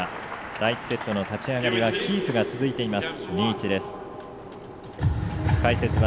第１セットの立ち上がりはキープが続いています。